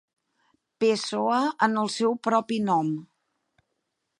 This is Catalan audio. Pessoa en el seu propi nom.